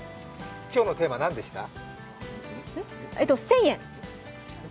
今日のテーマ何でした？